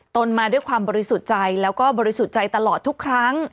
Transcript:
ตนมาด้วยความบริสุทธิ์ใจแล้วก็บริสุทธิ์ใจตลอดทุกครั้ง